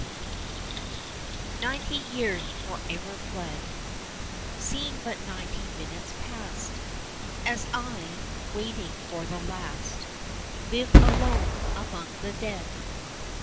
Ninety years forever fled Seem but ninety minutes past, As I, waiting for the last, Live alone among the dead.